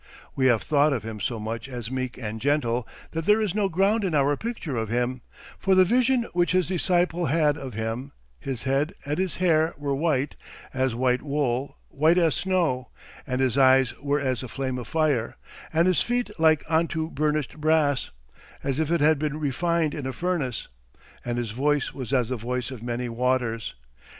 We have thought of Him so much as meek and gentle that there is no ground in our picture of Him, for the vision which His disciple had of Him: 'His head and His hair were white, as white wool, white as snow; and His eyes were as a flame of fire: and His feet like unto burnished brass, as if it had been refined in a furnace; and His voice was as the voice of many waters.